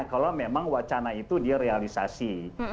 kalau memang wacana itu di realisasi